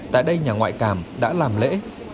tại đây nhà ngoại cảm đã làm lễ